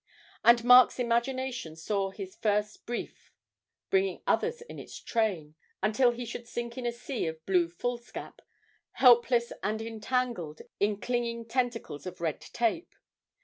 And Mark's imagination saw his first brief bringing others in its train, until he should sink in a sea of blue foolscap, helpless and entangled in clinging tentacles of red tape.